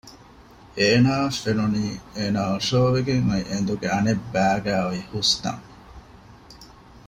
އޭނާއަށް ފެނުނީ އޭނާ އޮށޯވެގެން އޮތް އެނދުގެ އަނެއްބައިގައި އޮތް ހުސްތަން